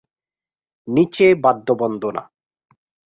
নিচে বাদ্যবন্দনা।